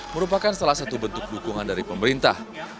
merupakan salah satu bentuk dukungan dari piala presiden dan piala menpora